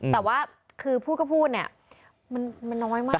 แต่ว่าคือพูดก็พูดเนี่ยมันน้อยมาก